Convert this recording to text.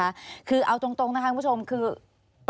อันดับ๖๓๕จัดใช้วิจิตร